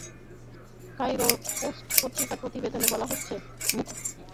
Cairo Post পত্রিকার প্রতিবেদনে বলা হচ্ছে, মুখোশধারী তিন ব্যক্তি হামলা চালিয়ে পালিয়ে যায়।